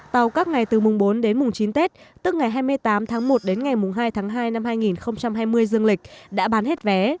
tàu các ngày từ mùng bốn đến mùng chín tết tức ngày hai mươi tám tháng một đến ngày mùng hai tháng hai năm hai nghìn hai mươi dương lịch đã bán hết vé